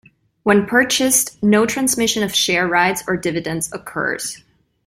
When purchased, no transmission of share rights or dividends occurs.